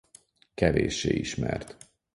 Kevéssé ismert.